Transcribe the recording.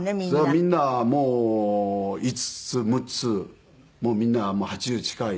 みんなもう５つ６つもうみんな８０近い。